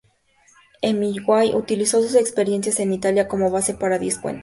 Hemingway utilizó sus experiencias en Italia como base para diez cuentos.